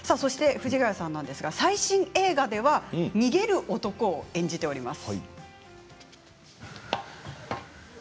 藤ヶ谷さん、最新映画では逃げる男を演じております。